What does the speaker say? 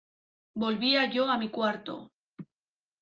Volvía yo a mi cuarto.